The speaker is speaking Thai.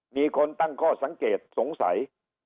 มีคนตั้งข้อสังเกตสงสัย